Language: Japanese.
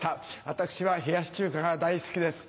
私は冷やし中華が大好きです。